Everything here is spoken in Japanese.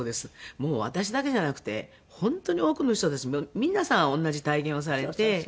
もう私だけじゃなくて本当に多くの人たち皆さん同じ体験をされて。